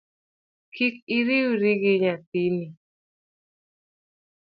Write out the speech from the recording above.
Kik iriwri gi nyathini